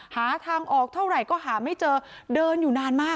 หาทางออกเท่าไหร่ก็หาไม่เจอเดินอยู่นานมาก